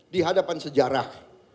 di hadapan sejarah